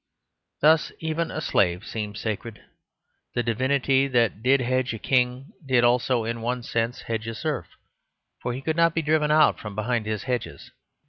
Thus even a slave seemed sacred; the divinity that did hedge a king, did also, in one sense, hedge a serf, for he could not be driven out from behind his hedges.